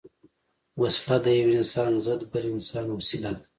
وسله د یو انسان ضد بل انسان وسيله ده